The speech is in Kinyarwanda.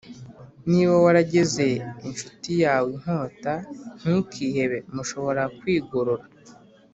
Niba warageze incuti yawe inkota, ntukihebe, mushobora kwigorora.